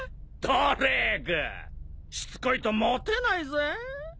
ドレークしつこいとモテないぜぇ。